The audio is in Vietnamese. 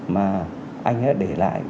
mà anh đã để lại